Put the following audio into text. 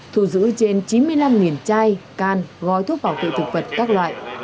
thu giữ trên chín mươi năm chai can gói thuốc bảo vệ thực vật các loại